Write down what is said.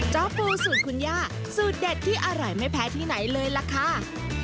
ปูสูตรคุณย่าสูตรเด็ดที่อร่อยไม่แพ้ที่ไหนเลยล่ะค่ะ